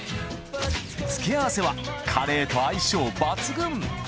付け合わせはカレーと相性抜群。